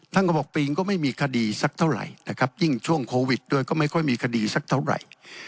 ท่านก็บอกปีนก็ไม่มีคดีสักเท่าไหร่นะครับยิ่งช่วงโควิดด้วยก็ไม่ค่อยมีคดีสักเท่าไหร่